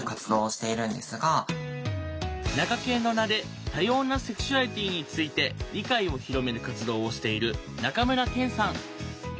なかけんの名で多様なセクシュアリティーについて理解を広める活動をしている中村健さん。